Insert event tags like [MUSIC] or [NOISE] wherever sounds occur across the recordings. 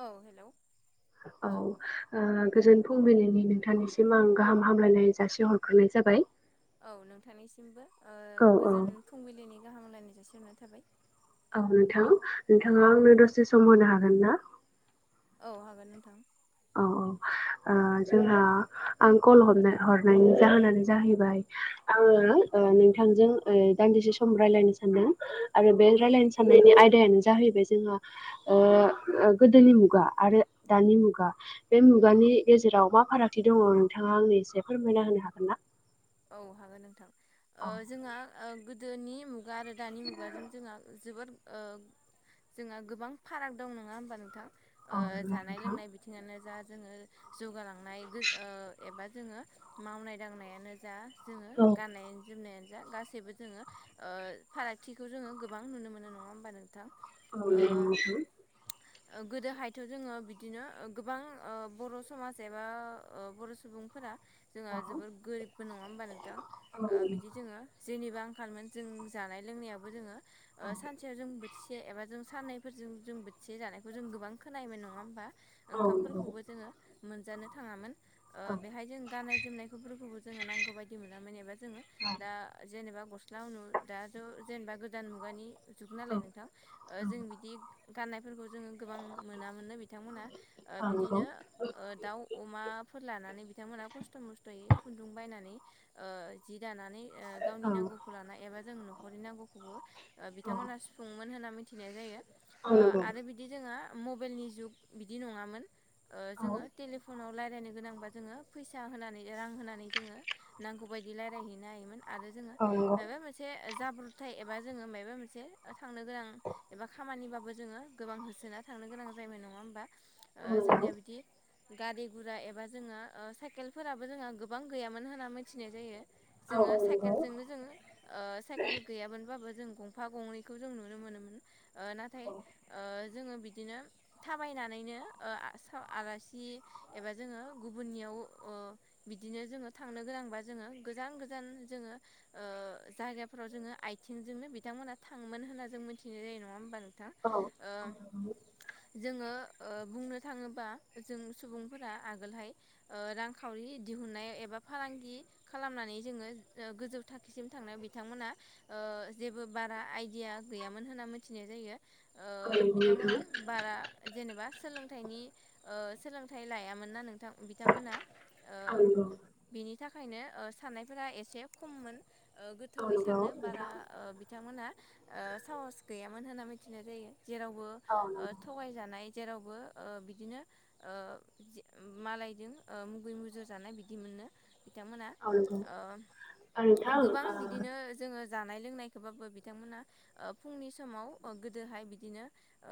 औ हेलौ औ ओ गोजोन फुंबिनि नोंथांनिसिम आं गाहाम हामलायनाय जासिहर हरनाय जाबाय। औ नोंथांनिसिमबो ओ औ औ गोजोन फुंबिलिनि गाहाम लाइनाय जासिहरनाय थाबाय। औ नोंथां नोंथाङा दसे सम होनो हागोन ना? औ हागोन नोंथां। औ औ ओ जोंहा आं कल हम हरनायनि जाहोनानो जाहैबाय आङो ओ नोंथांजों ओ दान्दिसे सम रायलायनो सानदों। आरो बे औ रायलायनो साननायनि आयदायानो जाहैबाय जोंहा ओ गोदोनि मुगा आरो दानि मुगा। बे मुगानि गेजेराव मा फारागथि दङ नोंथाङा आंनो एसे फोरमायना होनो हागोन ना? औ हागैन नोंथां औ ओ जोंहा ओ गोदोनि मुगा आरो दानि जोंहा जोबोद ओ जोंहा गोबां फाराग दं नङा होमबा नोंथां औ ओ नंगौ जानाय नोंथां लोंनाय बि बिथिङानो जा जोङो जौगालांनाय ओ एबा जोङो मावनाय दांनायानो जा जोङो औ गाननायानो जोमनायानो जा गासैबो जोङो ओ फारागथिखौ जोङो गोबां नुनो मोनो नङा होमबा नोंथां? औ ओ नंगौ [UNINTELLIGIBLE] ओ गोदोहायथ' जोङो बिदिनो ओ गोबां ओ बर' समाज एबा ओ बर' सुबुंफोरा जोंहा जोबोर गोरिबबो नङा होनोमबा नोंथां? ओ बिदि जोङो जेनेबो आंखालमोन जों जानाय लोंनायाबो जोङो ओ सानसेयाव जों बो से एबा जों साननैफोरजों जों बोथिसे जानायखौ जों गोबां खोनायोमोन नङा ह होनोमबा? ओंखामफोरखौबो जोङो मोनजानो थाङामोन ओ बेहाय जों गाननाय जोमनायफोरखौबो जैङो नांगौ बायदि मोनामोन एबा जोङो दा जेनेबा ग' लावनु दाथ' जेनेबा गोदान मुगानि जुग नालाय नोंथां ओ जों बिदि गाननायफोरखौ जोङो गोबां मोनाम मोनोननो बिथांमोनहा ओ बिदिनो ओ दाउ अमाफोर लानानै बिथांमोनहा खस्थ' मस्थ'यै खुन्दुं बायनानै ओ जि दानानै ओ गावनि नांगौ खौ लाना एबा जों न'खरनि नांगौखौबो ओ बिथांमोनहा सुफुंमोन होनना मिथिनाय जायो। ओ आरो बिदि जोंङो मबाइलनि जुग बिदि नङामोन ओ जोङो टेलि फनाव रायलायनो गोनांबा जोङो फैसा होनानै रां होनानै जोङो नांगौ बायदि रायज्लायहैनो हायोमोन। आरो जोङो माबा मोनसे जाब्रबथाय एबा जोङो माबा मोनसे थांनो गोनां एबा खामानिबाबो जोङो गोबां होसोना थांनो गोनां जायोमोन नङा होमबा? ओ जोंनिया बिदि गारि गुरा एबा जोङो ओ साइकेलफोराबो जोंहा गोबां गैयामोन होनना मिथिनाय जायो जोङो साइकेलजोंनो जोङो ओ साइकेल गैयामोनबाबो जों गंफा गंनैखौ जों नुनो मोनोमोन ओ नाथाय ओ जोङो बिदिनो थाबायनानैनो ओ आलासि एबा जोङो गुबुननियाव ओ बिदिनो जोङो थांनो गोनांबा जोङो गोजान गोजान जोङो ओ जायगाफोराव जोङो आथिंजोंनो बिथांमोना थाङोमोन होन्ना जों मिथिनाय जायो नङा होमबा नों थां ओ जोङो ओ बुंनो थाङोबा जों सुबुंफोरा आगोलहाय ओ रांखावरि दिहुनन्नायाव एबा फालांगि खालामनानै जोङो गोजौ थाखोसिम थांनायाव बिथांमोना ओ जेबो बारा आइडिया गैयामोन होनना मिथिनाय जायो ओ बिथांमोना बारा जेनेबा सोलोंथाइनि ओ सोलोंथाइ लायामोन ना नोंथां बिथांमोनहा ओ बिनि थाखायनो साननायफोरा एसे खममोन ओ गोथौयै सानो बारा ओ बिथांमोना साहस गैयामोन होनना मिथिनाय जायो जेरावबो थगा यह जानाय जेरावबो ओ बिदिनो ओ मालायजों ओ मुगै मुजै जु जानाय बिदि मोननो बिथांमोना ओ गोबां बिदिनो जोङो जानाय लोंनायखौबाबो बिथांमोना ओ फुंनि समाव गोदोहाय बिदिनो ओ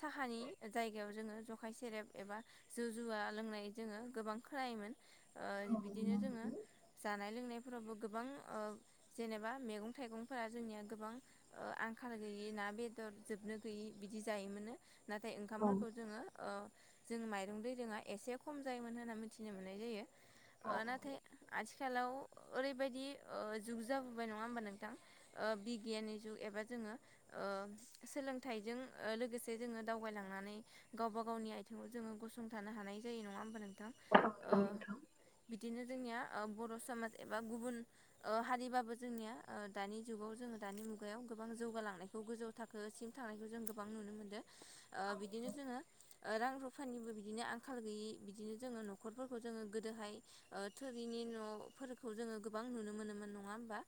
साहानि जायगायाव जोङो जखाय सेरेब एबा जौ जुवा लोंनाय जोङो गोबां खाायोमोन ओ बिदिनो जोङो जानाय लोंनायफोरावबो गोबां ओ जेनेबा मैगं थाइगंफोरा जोंनिया गोबां ओ आंखाल गैयि ना बेदर जोबनो गैयि बिदि जायोमोनो नाथाय ओंखामफोरखौ जोङो ओ जोंओ माइरं दैरोङा एसे खम जायोमोन होनना मिथिनो मोन नुनाय जायों ओ नाथाय आथिखा खेलाव ओरैबायदि जुग जाबोबाय नङा होमबा नोंथां ओ बिगियाननि जुग एबा जोङो ओ सोलोंथाइजों लोगोसे जोङो दावगलांनानै गावबा गावनि आथिङाव जोङो गसंथानो हानाय जायो नङा होमबा नोंथां ओ बिदिनो जोंनिया बर' समाज एबा गुबुन ओ हारिबाबो जोंनिया ओ दानि जुगाव जोङो दानि मुगायाव गोबां जौगालांनायखौ गोजौ थाखोसिम थांनायखौ जों गोबां नुनो मोन्दों ओ बिदिनो जोङो रां रुफानिबो बिदिनो आंखाल गैयै बिदिनो जोङो न'ख न'खरफोरखौ जोङो गोदोहाय ओ थोरिनि न'फोरखौ जोङो गोबां नुनो मोनोमोन नङा होमबा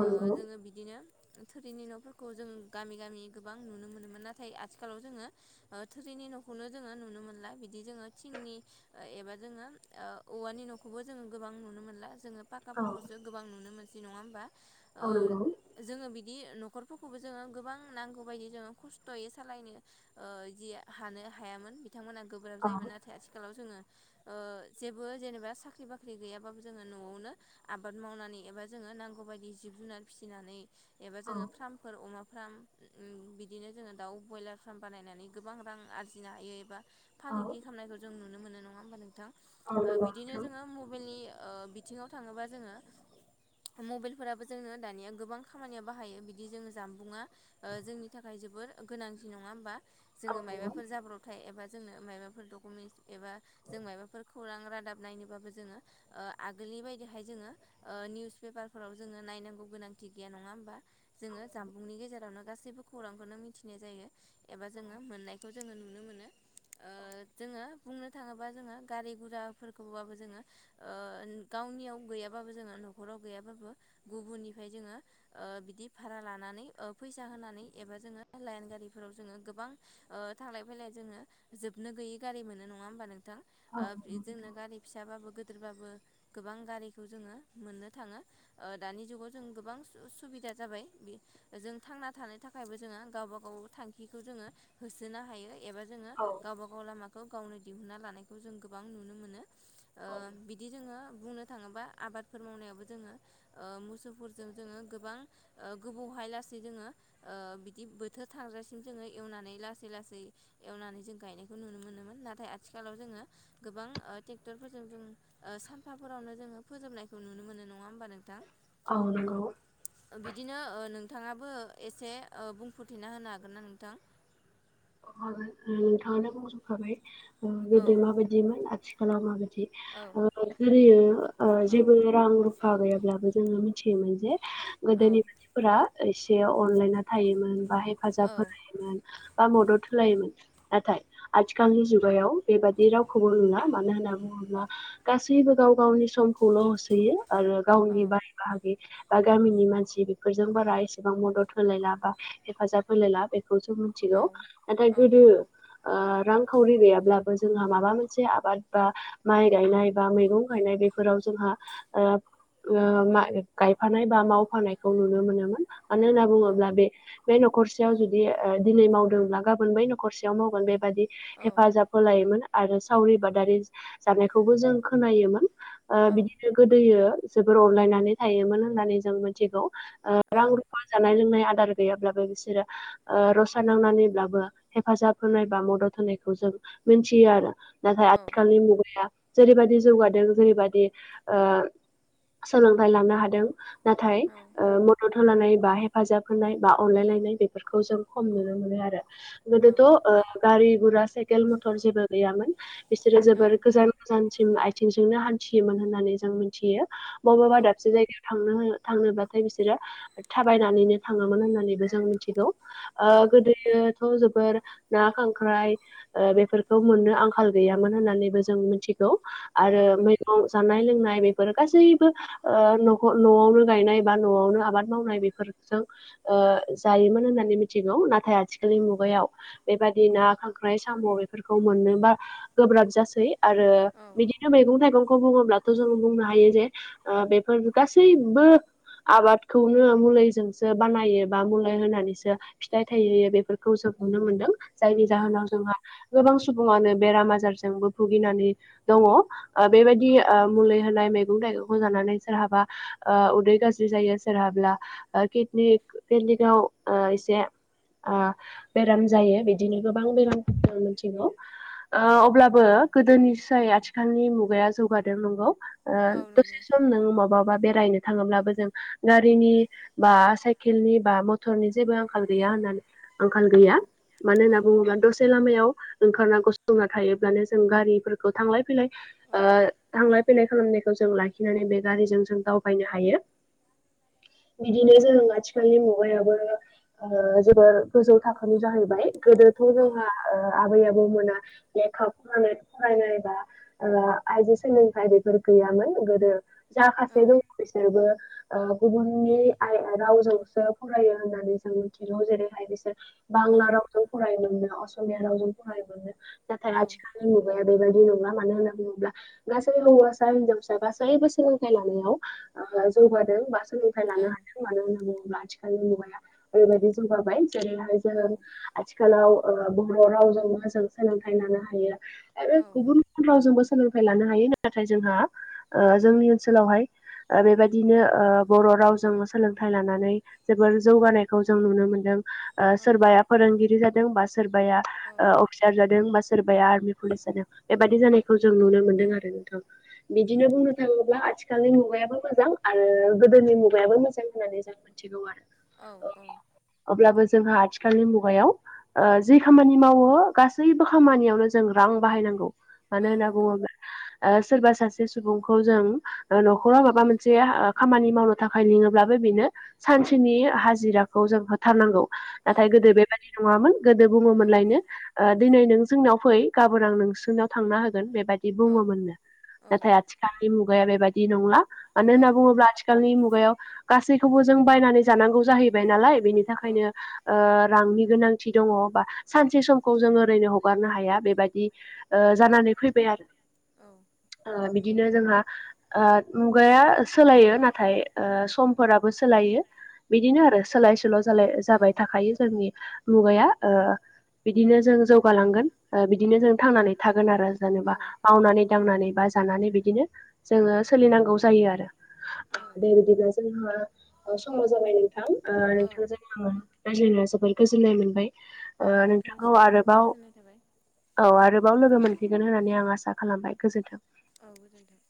ओ जोङो बिदि बिदिनो थोरिनि न'फोरखौ जों गामि गामि गोबां नुनो मोनोमोन नाथाय आथिखालाव जोङो थोरिनि न'खौनो जोङो नुनो मोनला बिदि जोङो थिंनि एबा। जोङो औवानि न'खौबो जोङो गोबां नुनो मोनला जोङो पाखाफोरखौसो गोबां नुनो मोनो। नङा होमबा ओं। जोङो बिदि न'खरफोरखौबो जोङो गोबां नांगौबायदि जोङो खस्थ'यै सालायनो। जि हानो हायामोन बिथांमोना गोब्राब जायोमोन नाथाय आथिखालाव जोङो। जेबो जेनेबा साख्रि बाख्रि गैयाबाबो जोङो न'आवनो। आबाद मावनानै एबा जोङो नांगौबायदि जिब जुनार फिसिनानै एबा जोङो फार्म। फोर अमा फार्म बिदिनो जोङो दाउ ब्रयलार फार्म बानायनानै गोबां रां आरजिनो हायो एबा। फालांगि खालामनायखौ जों नुनो मोनो नङा होमबा नोंथां बिदिनो जोङो मबाइलनि। आथिङाव थाङोबा जोङो। मबाइलफोराबो जोङो दानिया गोबां खामानियाव बाहायो बिदि जोङो जानबुंङा। जोंनि थाखाय जोबोर गोनांथि नङा होमबा। औ जोङो मायबाफोर जाब्रबथाय एबा मायबाफोर डकुमेन्टस एबा जों मायबाफोर माबाफोर खौरां रादाब नायनोबाबो जोङो आगोलनि बायदिहाय जोङो ओ निउस पेपारफोराव जोङो नानांगौ गोनांथि गैया नङा होमबा? जोङो जामबुंनि गेजेरावनो गासैबो खौरांखौनो मिथिनाय जायो। एबा जोङो मोननायखौ जोङो नुनो मोनो ओ जोङो बुंनो थाङोबा जोङो गारि गुराफोरखौबाबो जोङो ओ गावनियाव गैयाबाबो जोङो न'खराव गैयाबाबो गुबुननिफ्राय जोङो ओ बिदि भारा लानानै फैसा होनानै एबा जोङो लाइन गारिफोराव जोङो गोबां थांलाय फैलाय जोङो जोबनो गैयै गारि मोनो नङा होमबा नोंथां जोंनो गारि फिसाबाबो गिदिरबाबो गोबां गारिखौ जोङो मोननो थाङो। ओ दानि जुगाव जों गोबां सुबिदा जाबाय बे। जों थांना थानो थाखायबो जोङो गावबा गाव थांखिखौ जोङो होसोनो हायो। एबा जोङो औ गावबा गाव लामाखौ गावनो दिहुनना लानायखौ जों गोबां नुनो मोनो। बिदि जोङो बुंनो थाङोबा आबादफोर मावनायावबो जोङो मोसौफोरजों जोङो गोबां गोबावहाय लासै जोङो बिदि बोथोर थांग्रासिम एवनानै लासै लासै एवनानै जों गायनायखौ नुनो मोनोमोन नाथाय जोङो गोबां ट्रेक्टरफोरजों सानफाफोरावनो जोङो फोजोबनायखौ नुनो मोनो नङा होमबा नोंथां? औ नंगौ। बिदिनो ओ नोंथाङाबो एसे बुंफोरथिना होनो हागोन ना नोंथां? नोंथाङानो बुंजोबखाबाय औ गोदो माबायदिमोन आथिलाव खालामा बायदि औ ओ औ जेबो रां रूफा गैयाब्लाबो मिथियोमोन जे गोदोनि औ मानसिफोरा एसे अनलायना थायोमोन बा हेफाजाब औ होलायोमोन बा मदद होलायोमोन नाथाय आथिखालनि मुगायाव बेबादि रावखौबो नुला मानो होनना बुङोब्ला गासैबो गाव गावनि समखौल' होसोयो आरो औ गावनि बाय बाय बाहागि बा गामिनि मानसि बेफोरजों बारा एसेबां मदद होलायला बा हेफाजाब होलायला बेखौसो जों औ मिथिगौ नाथाय गोदो ओ रांखावरि गैयाब्लाबो जोंहा माबा मोनसे आबाद बा माइ गायनाय बा मैगं गायनाय बेफोराव जोंहा ओ ओ गायफानाय बा मावफानायखौ नुनो मोनोमोन। मानो होनना बुङोब्ला बे बे न'खरसेयाव जुदि दिनै मावदोंब्ला बै न'खरसेयाव मावगोन बेबादि औ हेफाजाब होलायोमोन आरो सावरि बादारि जानायखौबो जों खोनायोमोन बिदिनो गोदोयो जोबोर अनलायनानै थायोमोन होननानै जों मिथिगौ ओ औ रां औ जानाय लोंनाय आदार गैयाब्लाबो बिसोरो ओ रसा नांनानैब्लाबो हेफाजाब होनाय बा मदद होनायखौ जों मोनथियो आरो बिदिनो आरो सोलाय सोल' जालायनाय जाबाय थाखायो जोङो जेनेबा मावनानै दांनानै बा जानानै बिदिनो औ नाथाय आथिखालनि मुगाया जेरैबादि जौगादों जेरैबादि ओ सोलोंथाय लानो हादों नाथाय ओ मदद होलानाय बा हेफाजाब होनाय बा अनलायलायनाय बेफोरखौ जों खम नुनो मोनो आरो। गोदोथ' ओम गारि गुरा साइकेल मथर जेबो गैयामोन बिसोरो जोबोर गोजान गोजानसिम आथिंजोंनो हान्थियोमोन होननानै जों मोनथियो बबावबा दाबसे जायगायाव थांनो होनो थांनोबाथाय बिसोरो थाबायनानैनो थाङोमोन होननानै बेखौ जों मिथिगौ ओ गोदोथ' जोबोर ना खांख्राइ ओ बेफोरखौ मोननो आंखाल गैयामोन होननानैबो जों मिथिगौ आरो मैगं जानाय -लोंनाय बेफोरो गासैबो ओ न'ख -न'आवनो गायनाय बा न'आवनो आबाद मावनाय बेफोरजों ओ जायोमोन होननानै मिथिगौ नाथाय आथि आथिखालनि मुगायाव बेबादि ना खांख्राइ साम' बेफोरखौ मोननोबा गोब्राब जासै आरो बिदिनो मैगं -थाइगंखौ बुङोब्लाथ' जों बुंनो हायो जे बेफोर गासैबो आबादखौनो मुलिजोंसो बानायो बा मुलि होनानैसो फिथाइ थायहोयो बे फोरखौ जों नुनो मोनदों। जायनि जाहोनाव जोंहा गोबां सुबुङानो बेराम आजारजोंबो भुगिनानै दङ ओ बेबायदि ओ मुलि होनाय मैगं-थाइगंखौ जानानै सोरहाबा ओ उदै गाज्रि जायो सोरहाब्ला औ किदनि किदनिकआव एसे आ बेराम जायो बिदिनो गोबां बेराम फोरखौ मिथिगौ ओ अब्लाबो गोदोनिसाय आथिखालनि मुगाया जौगादों नंगौ औ दसे सम नों मबावबा बेरायनो थाङोब्लाबो जों गारिनि बा, साइकेलनि, बा मटरनि जेबो आंखाल गैया होननानै आंखाल गैया। मानो होनना बुङोब्ला दसे लामायाव ओंखारना गसंना थायोब्लानो जों गारिफोरखौ थांलाय- फैलाय ओ थांलाय फैलाय खालामनायखौ जों लाखिनानै बे गारिजों जों दावबायनो हायो। बिदिनो जों आथिखालनि मुगायावबो ओ जोबोर गोजौ थाखोनि जाहैबाय गोदोथ' जोंहा ओ आबै आबौ मोना लेखा फरायनाय- फरायनाय बा ओ आइजो सोलोंथाइ बेफोर गैयामोन गोदो जा खासे दङ बिसोरबो ओ गुबुननि आ रावजोंसो फरायो होननानै जों मिथिगौ। जेरैहाय बिसोर बांला रावजों फरायोमोनो असमिया रावजों फरायोमोनो नाथाय आथिखाल मुगाया बेबायदि नंला मानो होन्ना बुङोब्ला गासै हौवासा- हिनजावसा गासैबो सोलोंथाइ लानायाव ओ जौगादों गासै जाय लानो हादों मानो होनना बुङोब्ला आथिखालनि मुगाया ओरैबायदि जौगाबाय। जेरैहाय जों आथिखालाव ओ बर' रावजों मोजां सोलोंथाइ लानो हायो। आरो गुबुन रावजोंबो सोलोंथाइ लानो हायो नाथाय जोंहा ओ जोंनि ओनसोलावहाय बेबायदिनो ओ बर' रावजोंबो सोलोंथाय लानानै जोबोर जौगानायखौ जों नुनो मोन्दों। ओ सोरबाया फोरोंगिरि जादों बा सोरबाया ओ अफिसार जादों बा सोरबाया आर्मि पुलिस जादों बेबायदि जानायखौ जों नुनो मोनदों आरो नोंथां। बिदिनो बुंनो थाङोब्ला आथिखालनि मुगायाबो मोजां आरो गोदोनि मुगायाबो मोजां होननानै जों मिथिगौ आरो। औ औ अब्लाबो जोंहा आथिखालनि मुगायाव ओ जिे खामानि मावो गासैबो खामानियावनो जों रां बाहायनांगौ। मानो औ होनना नंगौ बुङोब्ला सोरबा सासे सुबुंखौ जों न'खराव माबा मोनसे खामानि मावनो थाखाय लिङोब्लाबो बेनो सानसेनि हाजिराखौ जों थारनांगौ औ नाथाय गोदो बेबायाददि नङामोन गोदो औ बुङोमोनलायनो दिनै नों जोंनाव फै गाबोन आ नोंसोरनिाव थांना होगोन बेबायदि बिदि औ बुङोमोननो नाथाय आथिखालनि मुगाया बेबायाददि नंला मानो होनना आथिखालनि मुगायाव गासैखौबो बायनानै जानांगौ जाहैबाय नालाय बेनि औ खायनो ओ रांनि गोनांथि दङ बा सानसे समखौ जों ओरैनो हगारनो हाया बेबायदि ओ जानानै फैबाय आरो औ ओ बिदिनो जोंहा ओ मुगाया सोलायो नाथाय ओ समफोराबो सोलायो। बिदिनो आरो सोलाय सोल' जालाय जाबाय थाखायो जोंनि मुगाया ओ बिदिनो जों जौगालांगोन ओ बिदिनो जों थांनानै थागोन आरो जेनेबा नंगौ मावनानै दांनानै बा जानानै बिदिनो जोङो सोलिनांगौ जायो आरो। औ दे बिदिब्ला जोंहा ओ समा जाबाय नोंथां ओ औ नोंथांजों ओ रायज्लायना जोबोर गोजोननाय मोनबाय ओ औ नोंथांखौ नोंथांनिसिमबो जोबोद आरोबाव गोजोननाय थाबाय औ आरोबाव लोगो मोनफैगोन होननानै आं आसा खालामबाय गोजोन्थों। औ गोजोन्थों।